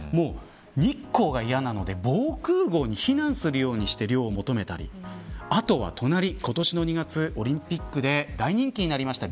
日光が嫌なので防空壕に避難するようにしている人もいたりあとは今年の２月オリンピックで大人気になりました